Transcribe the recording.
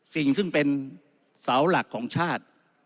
สิ่งซึ่งเป็นเสาหลักของชาติ